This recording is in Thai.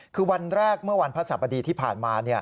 คือวันแรกเมื่อวันพระสัปดีที่ผ่านมา